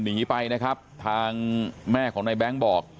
หนีไปนะครับทางแม่ของนายแบงค์บอก